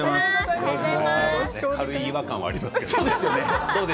軽い違和感はありますけどね。